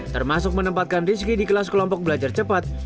termasuk menempatkan rizky di kelas kelompok belajar cepat